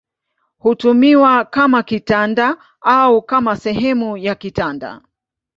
Hutumiwa kama kitanda au kama sehemu ya kitanda.